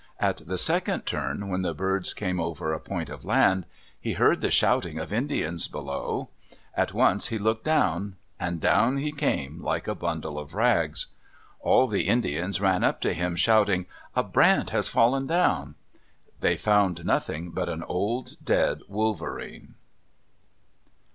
At the second turn, when the birds came over a point of land, he heard the shouting of Indians below. At once he looked down. And down he came like a bundle of rags! All the Indians ran up to him, shouting, "A brant has fallen down." They found nothing but an old dead wolverene.